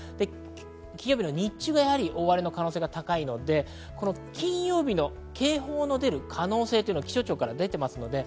金曜日、日中が大荒れの可能性が高いので金曜日に警報の出る可能性が気象庁から出ています。